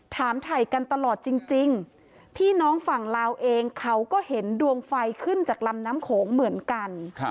ถ่ายกันตลอดจริงพี่น้องฝั่งลาวเองเขาก็เห็นดวงไฟขึ้นจากลำน้ำโขงเหมือนกัน